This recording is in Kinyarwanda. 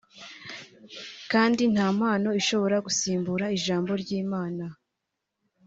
kandi nta mpano ishobora gusimbura Ijambo ry’Imana